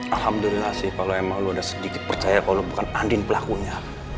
alhamdulillah sih kalo emang lo udah sedikit percaya kalo bukan andien pelakunya